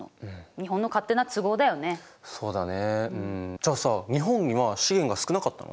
じゃあさ日本には資源が少なかったの？